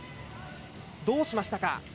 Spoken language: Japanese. どうしましたか。